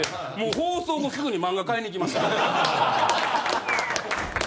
もう放送後すぐに漫画買いに行きました。